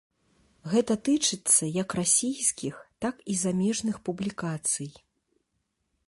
Гэта тычыцца як расійскіх, так і замежных публікацый.